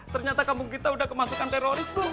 ternyata kampung kita udah kemasukan teroris belum